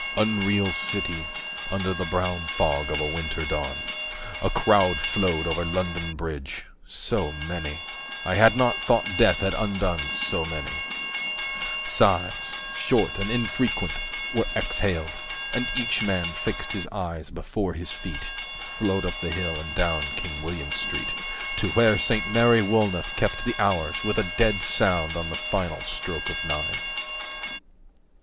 Unreal City, 60 Under the brown fog of a winter dawn, A crowd flowed over London Bridge, so many, I had not thought death had undone so many. Sighs, short and infrequent, were exhaled, And each man fixed his eyes before his feet. 65 Flowed up the hill and down King William Street, To where Saint Mary Woolnoth kept the hours With a dead sound on the final stroke of nine.